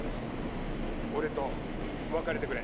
俺と別れてくれ。